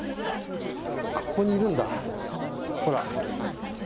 ここにいるんだ。